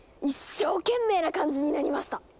一生懸命な感じになりました！